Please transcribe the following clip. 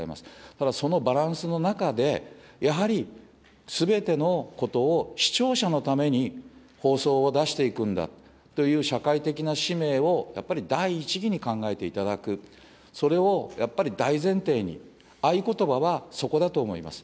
ただ、そのバランスの中で、やはりすべてのことを、視聴者のために放送を出していくんだという社会的な使命を、やっぱり第一義に考えていただく、それをやっぱり大前提に、合言葉はそこだと思います。